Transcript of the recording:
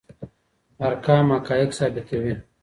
ارقام حقایق ثابتوي.